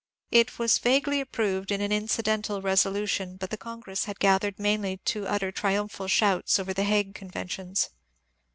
It was vaguely approved in an incidental resolution, but the Congress had gathered mainly to utter triumphal shouts over the Hague conventions.